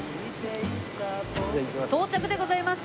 到着でございます！